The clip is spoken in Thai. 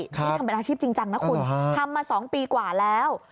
นี่ทำเป็นอาชีพจริงจังนะคุณทำมา๒ปีกว่าแล้ว